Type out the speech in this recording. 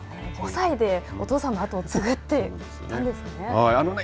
５歳でお父さんの後を継ぐって言ったんですね。